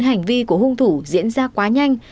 hành vi của hung thủ diễn ra quá nhanh